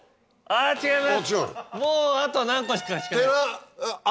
もうあと何個かしかない。